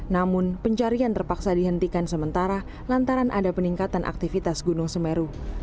namun pencarian terpaksa dihentikan sementara lantaran ada peningkatan aktivitas gunung semeru